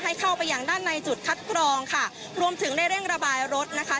ให้เข้าไปอย่างด้านในจุดคัดกรองค่ะรวมถึงได้เร่งระบายรถนะคะ